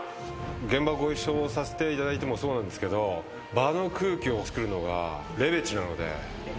現場ご一緒させていただいてもそうなんですけど場の空気をつくるのがレベチなので。